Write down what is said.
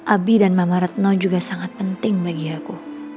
abi dan mama retno juga sangat penting bagi aku